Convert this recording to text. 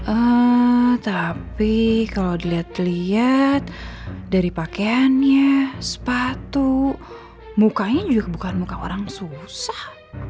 eee tapi kalo diliat liat dari pakeannya sepatu mukanya juga kebukaan muka orang susah